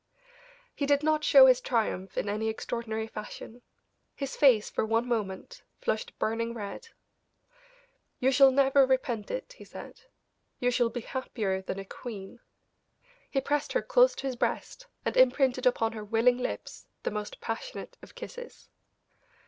He did not show his triumph in any extraordinary fashion; his dark face for one moment flushed burning red. "You shall never repent it," he said, "you shall be happier than a queen." He pressed her close to his breast, and imprinted upon her willing lips the most passionate of kisses.